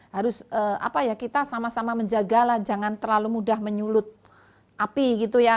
harus apa ya kita sama sama menjagalah jangan terlalu mudah menyulut api gitu ya